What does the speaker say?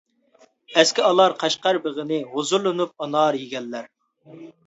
ئەسكە ئالار قەشقەر بېغىنى، ھۇزۇرلىنىپ ئانار يېگەنلەر.